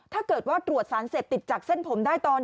ถ้าเกิดว่าตรวจสารเสพติดจากเส้นผมได้ตอน